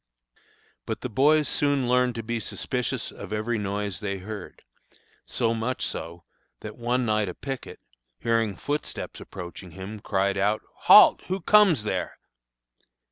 But the boys soon learned to be suspicious of every noise they heard; so much so, that one night a picket, hearing footsteps approaching him, cried out, "Halt! Who comes there?"